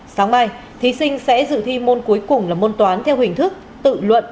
sáng mai thí sinh sẽ dự thi môn cuối cùng là môn toán theo hình thức tự luận